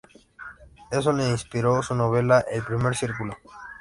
Eso le inspiró su novela "El primer círculo".